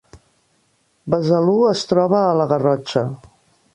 Besalú es troba a la Garrotxa